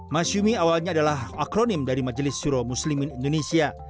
masyumi awalnya adalah akronim dari majelis syuro muslimin indonesia